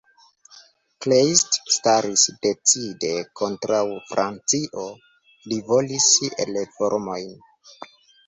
Kleist staris decide kontraŭ Francio, li volis reformojn.